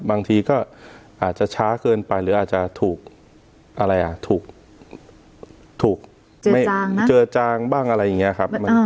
บางทีก็อาจจะช้าเกินไปหรืออาจจะถูกเจอจางบ้างอะไรอย่างนี้ครับ